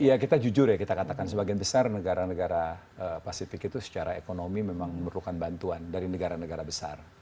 iya kita jujur ya kita katakan sebagian besar negara negara pasifik itu secara ekonomi memang memerlukan bantuan dari negara negara besar